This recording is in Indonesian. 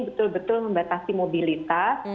betul betul membatasi mobilitas